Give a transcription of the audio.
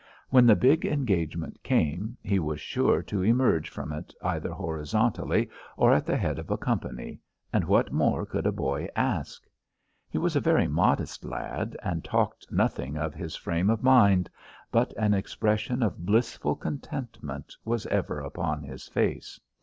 When the big engagement came he was sure to emerge from it either horizontally or at the head of a company, and what more could a boy ask? He was a very modest lad, and talked nothing of his frame of mind, but an expression of blissful contentment was ever upon his face.